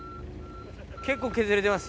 結構削れてます。